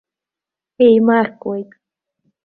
Еимаркуеит.